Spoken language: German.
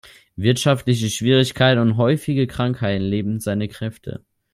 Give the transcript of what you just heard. Wirtschaftliche Schwierigkeiten und häufige Krankheiten lähmten seine Kräfte.